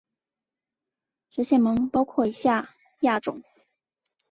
食蟹獴包括以下亚种